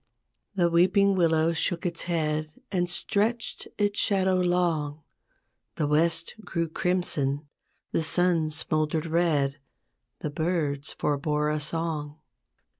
The weeping willow shook its head And stretched its shadow long; The west grew crimson, the sun smouldered red, The birds forbore a song.